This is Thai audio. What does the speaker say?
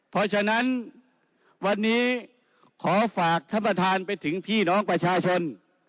เพราะฉะนั้นวันนี้ขอฝากท่านประธานไปถึงพี่น้องประชาชน